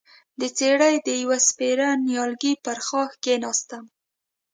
د څېړۍ د يوه سپېره نيالګي پر ښاخ کېناستم،